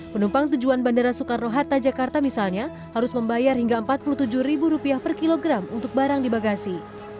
penumpang tujuan bandara soekarno hatta jakarta misalnya harus membayar hingga rp empat puluh tujuh per kilogram untuk barang di bagasi